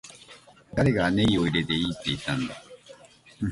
誰がネギを入れていいって言ったんだ